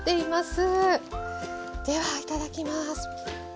ではいただきます。